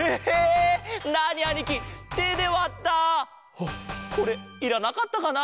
あっこれいらなかったかな？